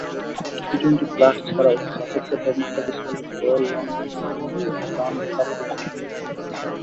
T twenty blast ছাড়াও সাসেক্সের হয়ে মুস্তাফিজ খেলবেন রয়্যাল লন্ডন ওয়ানডে কাপ প্রতিযোগিতায়।